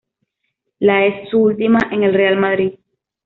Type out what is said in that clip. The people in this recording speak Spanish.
La es su última en el Real Madrid.